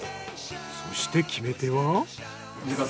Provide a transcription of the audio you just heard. そして決め手は。